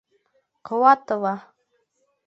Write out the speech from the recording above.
Ҡыуатова!